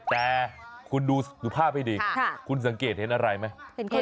แต่คุณดูสภาพให้ดีคุณสังเกตเห็นอะไรไหม